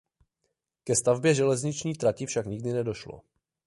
Ke stavbě železniční trati však nikdy nedošlo.